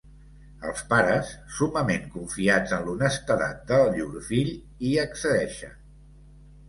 Els pares, summament confiats en l'honestedat de llur fill, hi accedeixen.